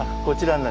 こちら。